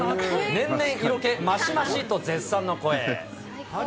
年々色気マシマシと絶賛の声。